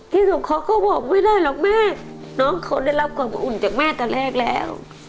ที่สุดเขาก็บอกไม่ได้หรอกแม่น้องเขาได้รับความอบอุ่นจากแม่ตอนแรกแล้ว